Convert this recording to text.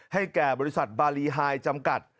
แก่บริษัทบารีไฮจำกัด